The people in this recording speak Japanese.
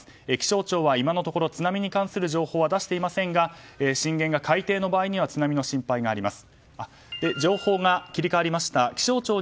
気象庁は今のところ津波に関する情報は出していませんが震源が海底の場合には津波の心配があります。